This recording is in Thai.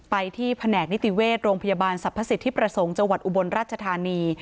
ไปที่แผนกนิติเวชโรงพยาบาลสรรพสิทธิประสงค์จังหวัดอุบลราชธานี